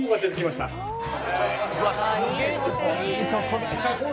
「いいとこだな」